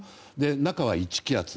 中は１気圧。